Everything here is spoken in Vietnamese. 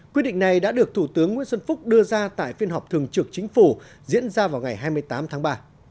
quyết định này đã được thủ tướng nguyễn xuân phúc đưa ra tại phiên họp thường trực chính phủ diễn ra vào ngày hai mươi tám tháng ba